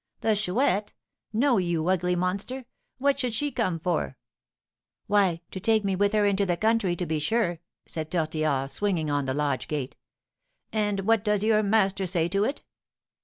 "The Chouette? No, you ugly monster! What should she come for?" "Why, to take me with her into the country, to be sure," said Tortillard, swinging on the lodge gate. "And what does your master say to it?"